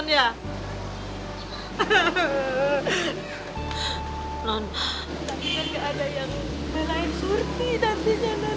nanti kan gak ada yang belain surti nantinya non